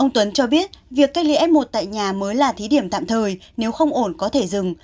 ông tuấn cho biết việc cách ly f một tại nhà mới là thí điểm tạm thời nếu không ổn có thể dừng